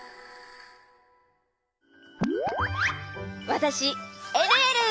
わたしえるえる！